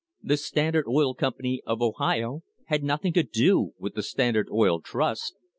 The Standard Oil Company of Ohio had nothing to do with the Standard Oil Trust.